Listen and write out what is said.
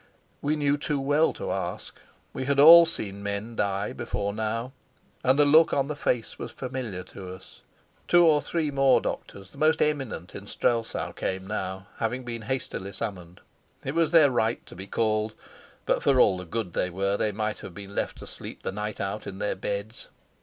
We knew too well to ask: we had all seen men die before now, and the look on the face was familiar to us. Two or three more doctors, the most eminent in Strelsau, came now, having been hastily summoned. It was their right to be called; but, for all the good they were, they might have been left to sleep the night out in their beds.